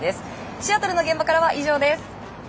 シアトルの現場からは以上です。